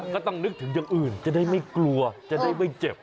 ก็ต้องนึกถึงอย่างอื่นจะได้ไม่กลัวจะได้ไม่เจ็บ